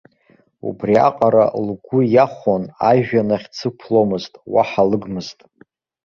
Убриаҟара лгәы иахәон, ажәҩан ахь дзықәломызт, уаҳа лыгмызт.